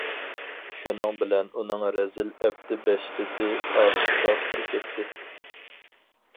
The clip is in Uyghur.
شۇنىڭ بىلەن ئۇنىڭ رەزىل ئەپتى بەشىرىسى ئاتۇشقا پۇر كەتتى.